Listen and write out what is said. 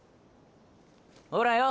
ほらよ